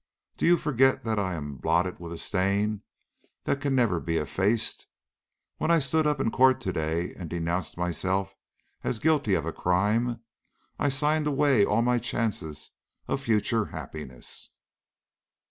Do you forget that I am blotted with a stain that can never be effaced? When I stood up in court to day and denounced myself as guilty of crime, I signed away all my chances of future happiness."